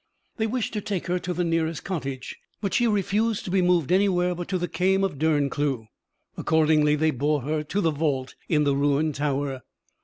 They wished to take her to the nearest cottage, but she refused to be moved anywhere but to the Kaim of Derncleugh. Accordingly they bore her to the vault in the ruined tower.